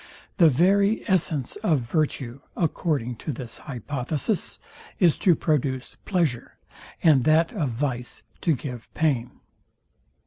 The very essence of virtue, according to this hypothesis, is to produce pleasure and that of vice to give pain.